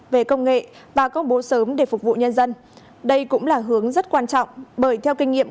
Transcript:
về công nghệ và công bố sớm để phục vụ nhân dân đây cũng là hướng rất quan trọng bởi theo kinh nghiệm